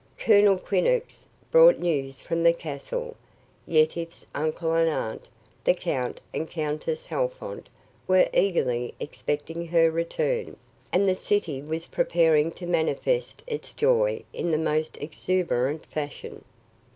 Colonel Quinnox brought news from the castle. Yetive's uncle and aunt, the Count and Countess Halfont, were eagerly expecting her return, and the city was preparing to manifest its joy in the most exuberant fashion.